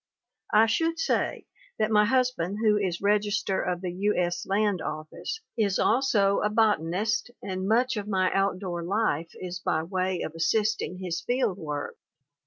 I should say that my husband who is Register of the U. S. Land office, is also a botanist and much of my out door life is by way of assisting his field work.